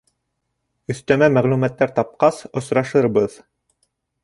Өҫтәмә мәғлүмәттәр тапҡас, осрашырбыҙ...